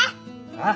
ああ。